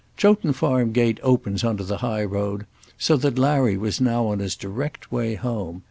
Chowton Farm gate opens on to the high road, so that Larry was now on his direct way home.